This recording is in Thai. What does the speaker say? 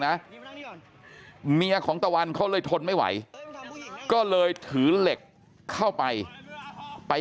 นะเมียของตะวันเขาเลยทนไม่ไหวก็เลยถือเหล็กเข้าไปไป